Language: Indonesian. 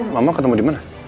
mama ketemu dimana